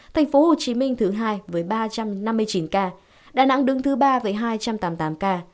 tp hcm thứ hai với ba trăm năm mươi chín ca đà nẵng đứng thứ ba với hai trăm tám mươi tám ca